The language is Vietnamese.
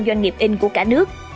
doanh nghiệp in của cả nước